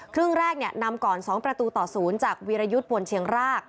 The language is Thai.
ครึ่งแรกนำก่อน๒ประตูต่อ๐จากวีรยุทธ์บนเชียงราก